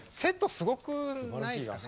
すごくないですかね。